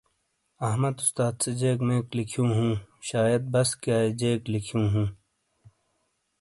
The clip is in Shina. احمد استاد سے جیک میک لکھیو ہوں شائید بسکیئائی جیک لکھیوں ہوں ۔